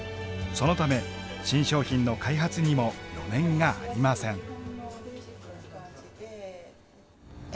そのため新商品の開発にも余念がありません。